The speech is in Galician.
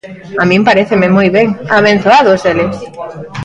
A min paréceme moi ben, ¡abenzoados eles!